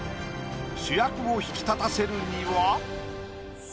主役を引き立たせるには。